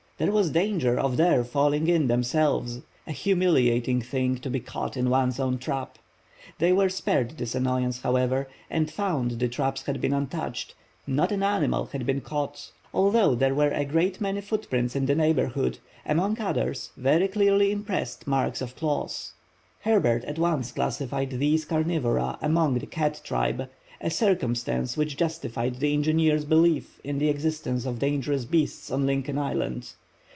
There was danger of their falling in themselves; a humiliating thing to be caught in one's own trap! They were spared this annoyance, however, and found the traps had been untouched; not an animal had been caught, although there were a great many footprints in the neighborhood, among others, very clearly impressed marks of claws. Herbert at once classified these carnivora among the cat tribe, a circumstance which justified the engineer's belief in the existence of dangerous beasts on Lincoln Island.